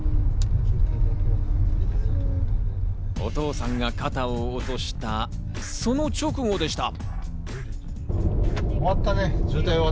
お父さんが肩を落とした、その直後でした。